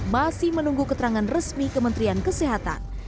masih menunggu keterangan resmi kementerian kesehatan